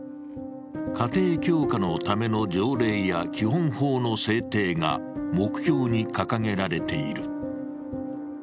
家庭強化のための条例や基本法の制定が目標に掲げられている。